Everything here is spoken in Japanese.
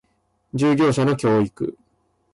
従業者の教育